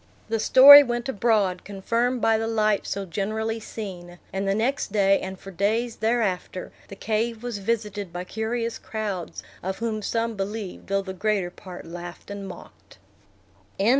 The story went abroad, confirmed by the light so generally seen; and the next day, and for days thereafter, the cave was visited by curious crowds, of whom some believed, though the greater part laughed and mocked.